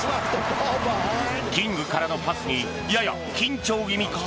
キングからのパスにやや緊張気味か。